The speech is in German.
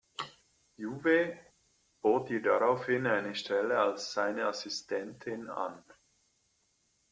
Jouvet bot ihr daraufhin eine Stelle als seine Assistentin an.